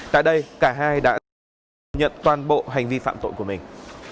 tại đây cả hai đã nhận toàn bộ hành vi phạm tội của mình